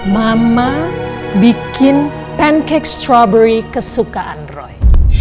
mama bikin pancake strovery kesukaan roy